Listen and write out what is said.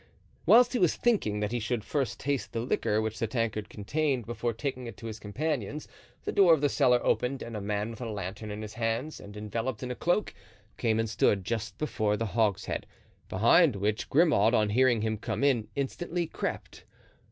Whilst he was thinking that he should first taste the liquor which the tankard contained before taking it to his companions, the door of the cellar opened and a man with a lantern in his hands and enveloped in a cloak, came and stood just before the hogshead, behind which Grimaud, on hearing him come in, instantly crept.